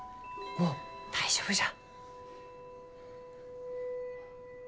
もう大丈夫じゃ。